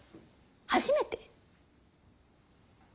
「初めて」？